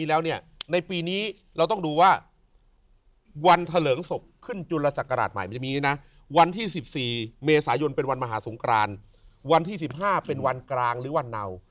มันจะมีอย่างนี้นะวันที่๑๔เมษายนเป็นวันมหาสงครานวันที่๑๕เป็นวันกลางหรือวันเนา